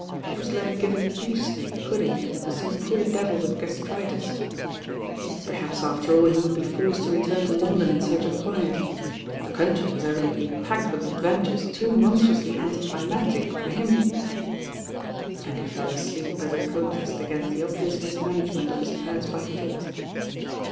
It was like givmg beef steak puddmg to some poor devil with gastritis. Perhaps I LOST DATS AND THB DOCTOR H after tU he would be forced to return to London in tMrch of quiet The country was evidently packed with adventures too monstrously anti climatic for him. And he fell asleep as a protest against the obvious mismanagement of his affairs by fate.